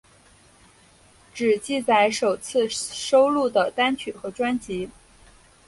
只记载首次收录的单曲和专辑。